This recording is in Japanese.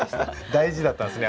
大事だったんですね